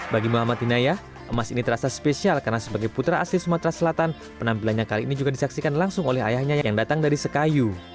bagi muhammad hinayah emas ini terasa spesial karena sebagai putra asli sumatera selatan penampilannya kali ini juga disaksikan langsung oleh ayahnya yang datang dari sekayu